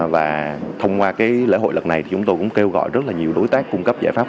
và thông qua lễ hội lần này thì chúng tôi cũng kêu gọi rất là nhiều đối tác cung cấp giải pháp